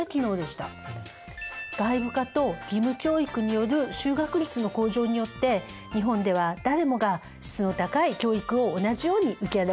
外部化と義務教育による就学率の向上によって日本では誰もが質の高い教育を同じように受けられるようになりました。